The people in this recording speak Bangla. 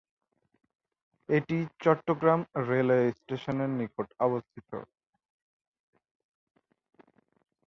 এটি চট্টগ্রাম রেলওয়ে স্টেশনের নিকট অবস্থিত।